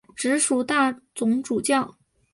直属大总主教。